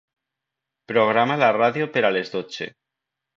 Programa la ràdio per a les dotze.